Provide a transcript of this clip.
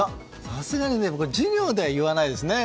さすがに授業では言わないですね。